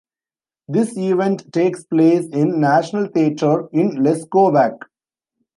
This event takes place in National Theater in Leskovac.